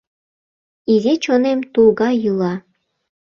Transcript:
Изи чонем тул гай йӱла